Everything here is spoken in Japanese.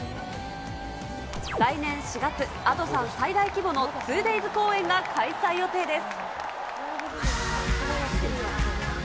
来年４月、Ａｄｏさん最大規模の２Ｄａｙｓ公演を開催予定です。